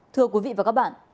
thưa quý vị và các bạn